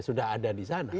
sudah ada di sana